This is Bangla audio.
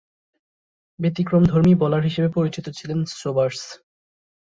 ব্যতিক্রমধর্মী বোলার হিসেবে পরিচিত ছিলেন সোবার্স।